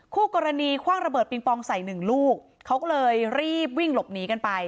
คู่กรณีคว่างระเบิดปิงปองใส่หนึ่งลูกเขาก็เลยรีบวิ่งหลบหนีกันไป